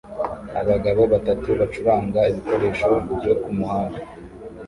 Abagabo batatu bacuranga ibikoresho byo kumuhanda